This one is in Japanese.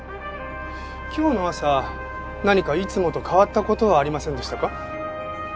今日の朝何かいつもと変わった事はありませんでしたか？